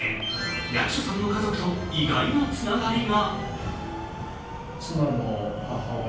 役所さんの家族と意外なつながりが。